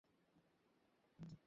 ইমাম সাহেব বললেন, ব্যবস্থা হবে জনাব।